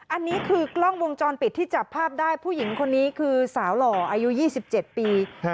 อันนี้คือกล้องวงจรปิดที่จับภาพได้ผู้หญิงคนนี้คือสาวหล่ออายุ๒๗ปี